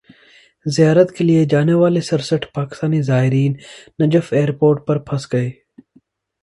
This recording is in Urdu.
زیارت کیلئے جانے والے سرسٹھ پاکستانی زائرین نجف ایئرپورٹ پر پھنس گئے